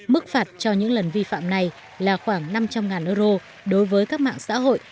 mức phạt cho những lần vi phạm này là khoảng năm trăm linh euro đối với các mạng xã hội